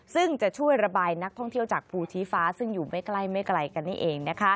ซึ่งจะช่วยระบายนักท่องเที่ยวจากภูชีฟ้าซึ่งอยู่ไม่ไกลกันนี่เอง